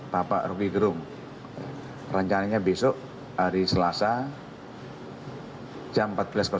bapak roky gerung rencananya besok hari selasa jam empat belas